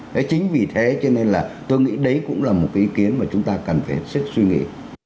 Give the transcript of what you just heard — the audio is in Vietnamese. đấy chính vì thế cho nên là tôi nghĩ đấy cũng là một cái ý kiến mà chúng ta cần phải hết sức suy nghĩ